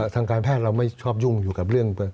ทางการแพทย์เราไม่ชอบยุ่งอยู่กับเรื่อง